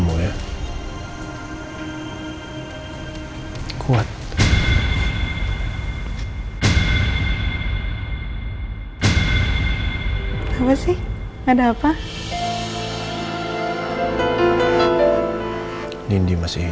udah lagi jatuh